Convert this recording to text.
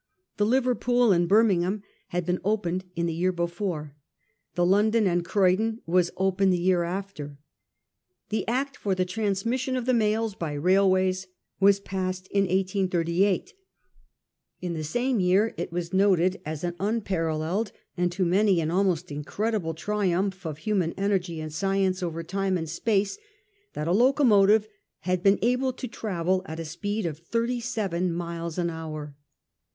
The Liverpool and Birmingham had been opened in the year before ; the London and Croydon was opened the year after. The Act for the transmission of the mails by railways was passed in 1838. In the same year it was noted as an unparalleled, and to many an almost incredible, triumph of human energy and science over time and space, that a locomotive had been able to travel at a speed of thirty seven miles an hour.